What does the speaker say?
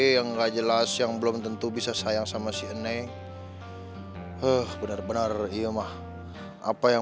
yang enggak jelas yang belum tentu bisa sayang sama si nenek benar benar iya mah apa yang